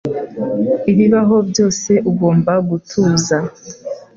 Ibibaho byose, ugomba gutuza.